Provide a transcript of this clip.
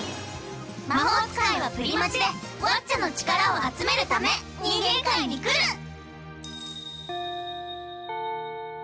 魔法使いはプリマジでワッチャの力を集めるため人間界に来る！